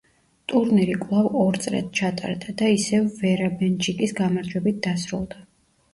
ტურნირი კვლავ ორ წრედ ჩატარდა და ისევ ვერა მენჩიკის გამარჯვებით დასრულდა.